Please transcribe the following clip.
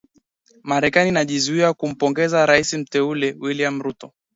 Marekani inajizuia kumpongeza rais mteule William Ruto